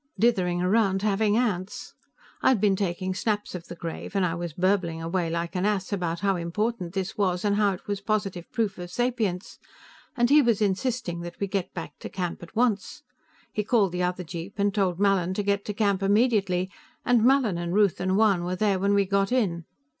"Dithering around having ants. I'd been taking snaps of the grave, and I was burbling away like an ass about how important this was and how it was positive proof of sapience, and he was insisting that we get back to camp at once. He called the other jeep and told Mallin to get to camp immediately, and Mallin and Ruth and Juan were there when we got in.